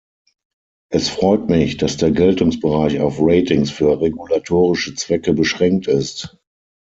Es freut mich, dass der Geltungsbereich auf Ratings für regulatorische Zwecke beschränkt ist.